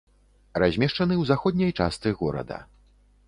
Размешчаны ў заходняй частцы горада.